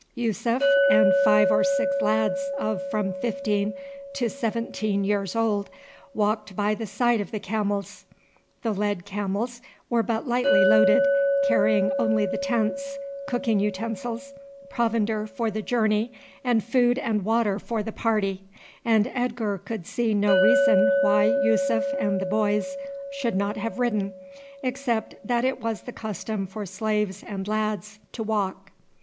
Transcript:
Yussuf and five or six lads of from fifteen to seventeen years old walked by the side of the camels. The led camels were but lightly loaded, carrying only the tents, cooking utensils, provender for the journey, and food and water for the party; and Edgar could see no reason why Yussuf and the boys should not have ridden, except that it was the custom for slaves and lads to walk.